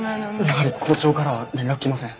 やはり校長からは連絡来ません。